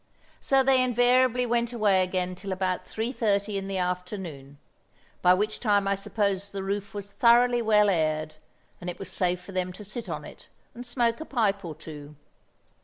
So they invariably went away again till about three thirty in the afternoon—by which time I suppose the roof was thoroughly well aired, and it was safe for them to sit on it and smoke a pipe or two.